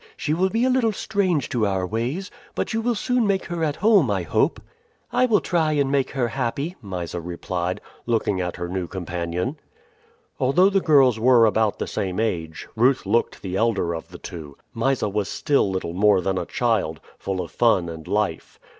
She will be a little strange to our ways, but you will soon make her at home, I hope." "I will try and make her happy," Mysa replied, looking at her new companion. Although the girls were about the same age, Ruth looked the elder of the two. Mysa was still little more than a child, full of fun and life.